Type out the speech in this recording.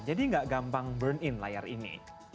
jadi nggak gampang burn in layar ini